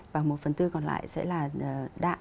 và một phần tư còn lại sẽ là đạm